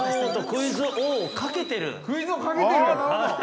◆クイズ王をかけている。